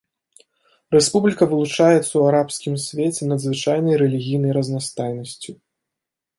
Рэспубліка вылучаецца ў арабскім свеце надзвычайнай рэлігійнай разнастайнасцю.